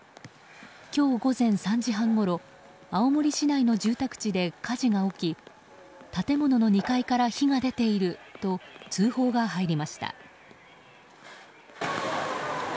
今日午前３時半ごろ青森市内の住宅地で火事が起き建物の２階から火が出ていると通報が入りました。